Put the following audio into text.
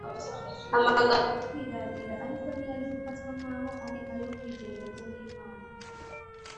amagambo yo kwirarira, ariko ntiyari gufatwa nk’aho ari ayo kwigereranya n’imana